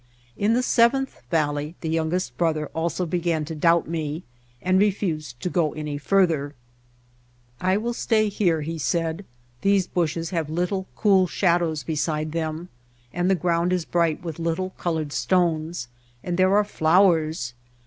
In the seventh valley the youngest brother also began to doubt me and refused to go any further. " 'I will stay here,' he said, 'these bushes have little cool shadows beside them, and the ground is bright with little colored stones and there are flowers.